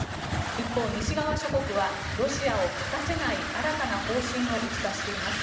一方、西側諸国はロシアを勝たせない新たな方針を打ち出しています。